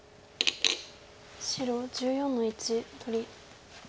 白１４の一取り。